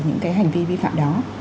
những cái hành vi vi phạm đó